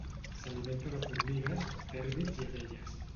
S'alimenta de formigues, tèrmits i abelles.